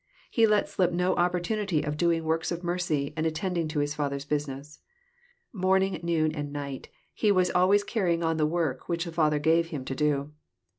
He let slip no oppor tunity of doing works of mercy, and attending to His Father's business. Horning, noon, and night He was always carrying on the work which the Father gave Hiin to do.